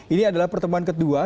ini adalah pertemuan kedua